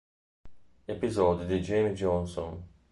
Episodi di Jamie Johnson